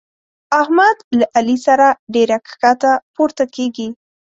احمد له علي سره ډېره کښته پورته کېږي.